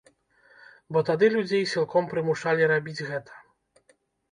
Бо тады людзей сілком прымушалі рабіць гэта.